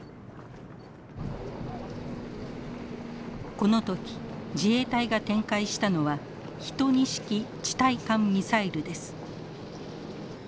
この時自衛隊が展開したのは１２式地対艦ミサイルです。